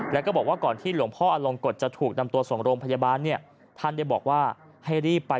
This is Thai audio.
แล้วก็บอกว่าก่อนที่หลวงพ่ออลงกฎจะถูกนำตัวส่งโรงพยาบาลเนี่ยท่านได้บอกว่าให้รีบไป